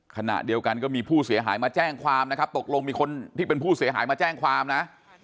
ขณะเดียวกันก็มีผู้เสียหายมาแจ้งความนะครับตกลงมีคนที่เป็นผู้เสียหายมาแจ้งความนะ